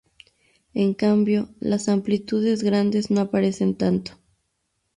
En cambio, las amplitudes grandes no aparecen tanto.